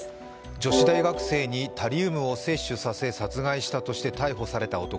女子大学生にタリウムを接種させ殺害したとして逮捕された男。